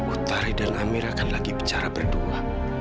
otari dan amir akan lagi bicara berdua